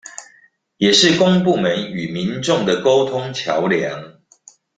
也是公部門與民眾的溝通橋樑